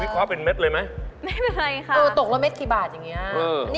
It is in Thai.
จะวิเคราะห์เป็นเม็ดเลยไหม